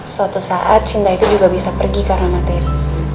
suatu saat cinta itu juga bisa pergi karena materi